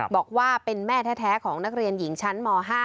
บอกว่าเป็นแม่แท้ของนักเรียนหญิงชั้นม๕